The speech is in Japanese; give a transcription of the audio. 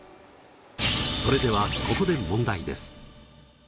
それではここで問題です。